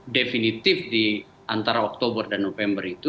definitif di antara oktober dan november itu